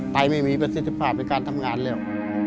ไม่มีประสิทธิภาพในการทำงานแล้ว